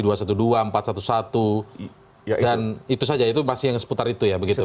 dan itu saja itu masih yang seputar itu ya begitu pak